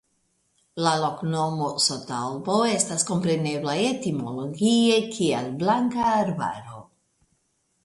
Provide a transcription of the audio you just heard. La loknomo "Sotalbo" estas komprenebla etimologie kiel Blanka Arbaro.